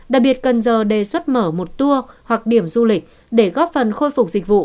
đặc biệt cần giờ đề xuất mở một tour hoặc điểm du lịch để góp phần khôi phục dịch vụ